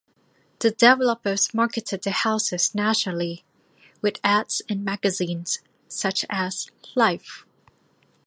The developers marketed the houses nationally, with ads in magazines such as Life.